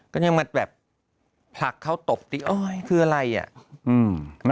ก็ยังมาแบบผลักเขาตบตีโอ๊ยคืออะไรอ่ะ